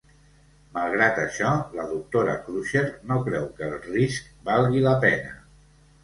Malgrat això, la doctora Crusher no creu que el risc valgui la pena.